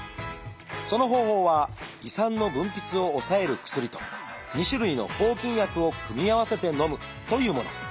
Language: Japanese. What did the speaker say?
その方法は胃酸の分泌を抑える薬と２種類の抗菌薬を組み合わせてのむというもの。